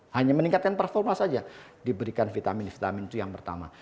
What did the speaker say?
hanya meningkatkan performa saja diberikan vitamin vitamin itu yang pertama